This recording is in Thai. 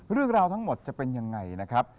เรื่องราวทั้งหมดจะเป็นยังไงนะครับ